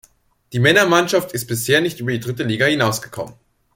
Die Männermannschaft ist bisher nicht über die dritte Liga hinausgekommen.